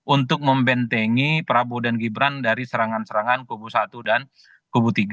untuk membentengi prabowo dan gibran dari serangan serangan kubu satu dan kubu tiga